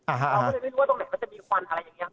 อ่าฮะเราไม่ได้รู้ว่าตรงไหนมันจะมีควันอะไรอย่างเงี้ย